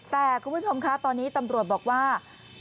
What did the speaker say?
แต่คุณผู้ชมคะตอนนี้ตำรวจบอกว่า